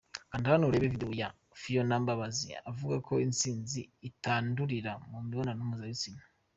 Kanda Hano Urebe Video ya Phionah Mbabazi avuga ko itsinzi itandurira mu mibonano mpuzabitsina.